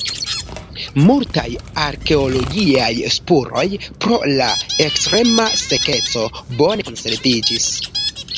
Multaj arkeologiaj spuroj pro la ekstrema sekeco bone konserviĝis.